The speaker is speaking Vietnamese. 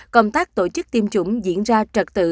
công tác tổ chức tiêm chủng diễn ra trật tự